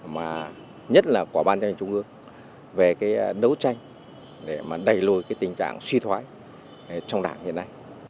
mà nhất là của ban chương trình trung ương về cái nấu tranh để mà đẩy lùi cái tình trạng suy thoái trong đảng hiện nay